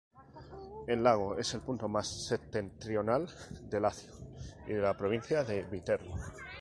El lago es el punto más septentrional de Lacio y la provincia de Viterbo.